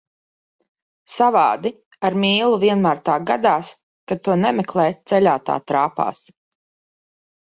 Savādi, ar mīlu vienmēr tā gadās, kad to nemeklē, ceļā tā trāpās.